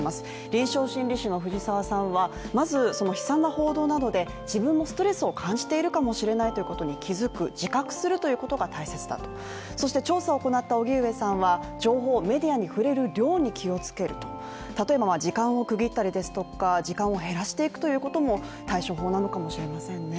臨床心理士の藤沢さんはまずその悲惨な報道などで自分もストレスを感じているかもしれないということに気づく自覚するということが大切だと、そして調査を行った荻上さんは情報メディアに触れる量に気をつけると例えば時間を区切ったりですとか時間を減らしていくということも対処法なのかもしれませんね